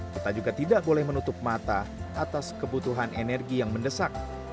kita juga tidak boleh menutup mata atas kebutuhan energi yang mendesak